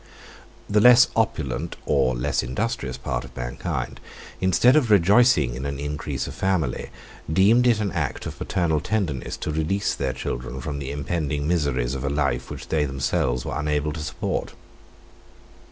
The less opulent or less industrious part of mankind, instead of rejoicing in an increase of family, deemed it an act of paternal tenderness to release their children from the impending miseries of a life which they themselves were unable to support.